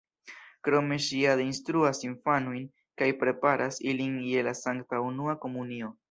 Krome ŝi ade instruas infanojn kaj preparas ilin je la sankta unua komunio.